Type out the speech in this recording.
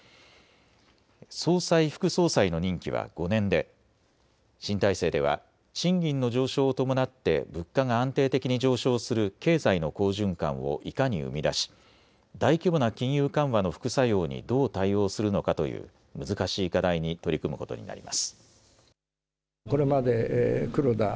総裁、副総裁の任期は５年で新体制では賃金の上昇を伴って物価が安定的に上昇する経済の好循環をいかに生み出し大規模な金融緩和の副作用にどう対応するのかという難しい課題に取り組むことになります。